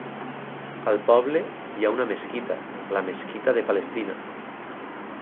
Al poble hi ha una mesquita, la mesquita de Palestina.